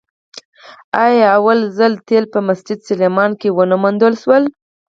آیا لومړی ځل تیل په مسجد سلیمان کې ونه موندل شول؟